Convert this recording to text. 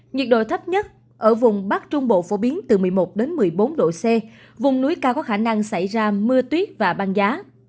nhiệt độ thấp nhất ở vùng bắc trung bộ phổ biến từ một mươi một một mươi bốn độ c vùng núi cao có khả năng xảy ra mưa tuyết và băng giá